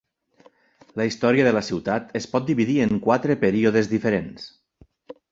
La història de la ciutat es pot dividir en quatre períodes diferents.